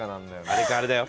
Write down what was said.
あれかあれだよ。